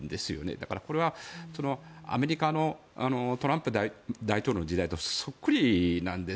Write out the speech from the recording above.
だから、これはアメリカのトランプ大統領の時代とそっくりなんです。